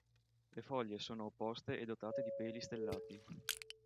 Le foglie sono opposte e dotate di peli stellati.